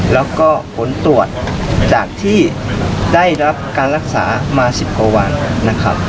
แล้วก็ผลตรวจจากที่ได้รับการรักษามา๑๐กว่าวันนะครับ